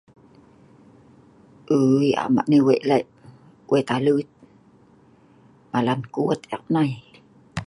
Uui am ek nai wei' leh' wen alut. Malan kut ek nai.